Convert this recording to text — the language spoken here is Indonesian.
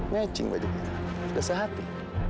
ngecing baju kita sudah sehati